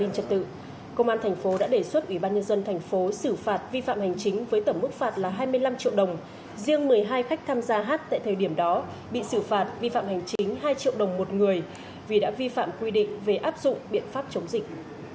công an thành phố đã đề xuất ủy ban nhân dân thành phố xử phạt vi phạm hành chính với tổng mức phạt là hai mươi năm triệu đồng riêng một mươi hai khách tham gia hát tại thời điểm đó bị xử phạt vi phạm hành chính hai triệu đồng một người vì đã vi phạm quy định về áp dụng biện pháp chống dịch